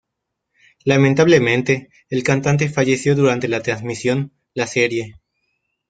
Lamentablemente el cantante falleció durante la transmisión la serie.